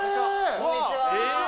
こんにちは。